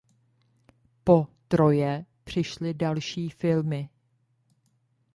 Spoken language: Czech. Po "Troje" přišly další filmy.